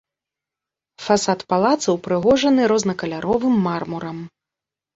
Фасад палаца ўпрыгожаны рознакаляровым мармурам.